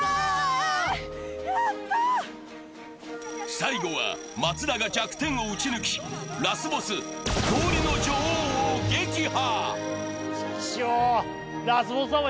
最後は松田が弱点を撃ち抜きラスボス・氷の女王を撃破。